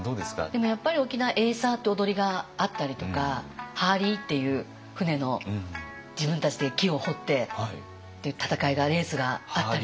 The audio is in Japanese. でもやっぱり沖縄エイサーって踊りがあったりとかハーリーっていう舟の自分たちで木を彫ってっていう戦いがレースがあったりとか。